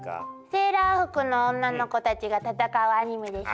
セーラー服の女の子たちが戦うアニメでしょ。